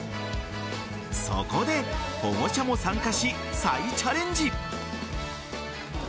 そこで保護者も参加し再チャレンジ。